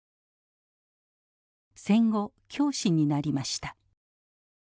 戦後教師になりました。